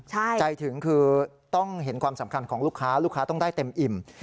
ใจถึงคือต้องเห็นความสำคัญของลูกค้าลูกค้าต้องได้เต็มอิ่ม